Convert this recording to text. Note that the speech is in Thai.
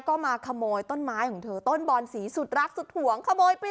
ก็มาขโมยต้นไม้ของเธอต้นบอนสีสุดรักสุดหวงขโมยไป